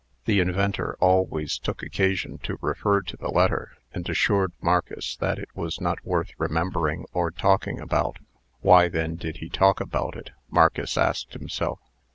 The inventor always took occasion to refer to the letter, and assured Marcus that it was not worth remembering, or talking about. "Why, then, did he talk about it?" Marcus asked himself.